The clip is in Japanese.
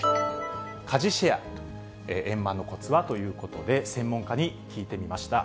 家事シェアと、円満のこつはということで、専門家に聞いてみました。